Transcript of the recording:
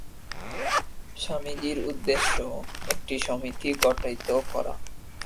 স্বামীজীর উদ্দেশ্য একটি সমিতি গঠিত করা।